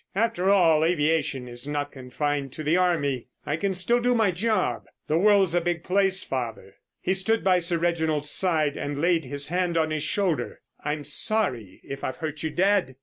After all, aviation is not confined to the army. I can still do my job. The world's a big place, father." He stood by Sir Reginald's side and laid his hand on his shoulder. "I'm sorry if I've hurt you, dad.